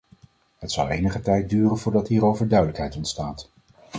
Het zal enige tijd duren voordat hierover duidelijkheid ontstaat.